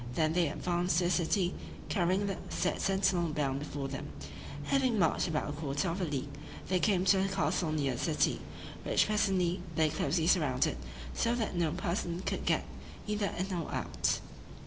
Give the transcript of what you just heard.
Then they advanced to the city, carrying the said sentinel bound before them: having marched about a quarter of a league, they came to the castle near the city, which presently they closely surrounded, so that no person could get either in or out.